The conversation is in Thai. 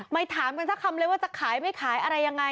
ถามกันสักคำเลยว่าจะขายไม่ขายอะไรยังไง